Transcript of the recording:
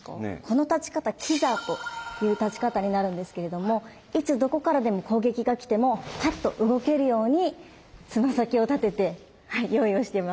この立ち方「跪座」という立ち方になるんですけれどもいつどこからでも攻撃がきてもパッと動けるようにつま先を立てて用意をしてます。